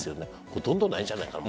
ほとんどないんじゃないかな。